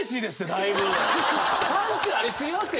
パンチあり過ぎますって。